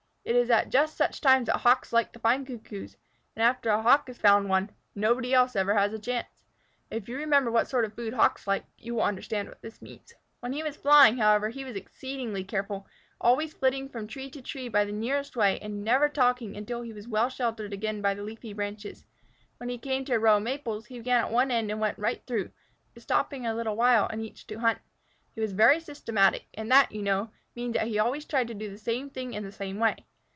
It is at just such times that Hawks like to find Cuckoos, and after a Hawk has found one, nobody else ever has a chance. If you remember what sort of food Hawks like, you will understand what this means. When he was flying, however, he was exceedingly careful, always flitting from tree to tree by the nearest way, and never talking until he was well sheltered again by leafy branches. When he came to a row of maples, he began at one end and went right through, stopping a little while in each to hunt. He was very systematic, and that, you know, means that he always tried to do the same things in the same way.